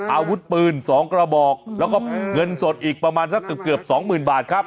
อาวุธปืน๒กระบอกแล้วก็เงินสดอีกประมาณสักเกือบสองหมื่นบาทครับ